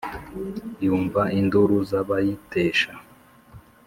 yumva induru z'abayitesha.